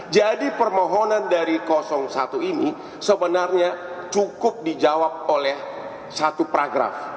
jadi permohonan dari satu ini sebenarnya cukup dijawab oleh satu paragraf